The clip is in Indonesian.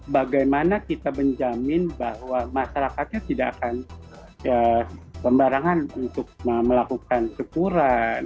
bagaimana kita menjamin bahwa masyarakatnya tidak akan pembarangan untuk melakukan syukuran